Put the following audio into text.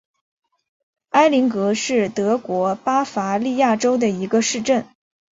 埃林格是德国巴伐利亚州的一个市镇。